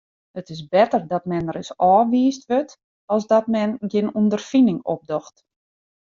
It is better dat men ris ôfwiisd wurdt as dat men gjin ûnderfining opdocht.